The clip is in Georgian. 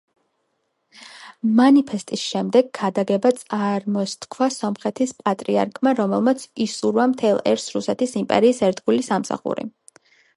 მანიფესტის შემდეგ ქადაგება წარმოსთქვა სომხეთის პატრიარქმა, რომელმაც უსურვა მთელ ერს რუსეთის იმპერიის ერთგული სამსახური.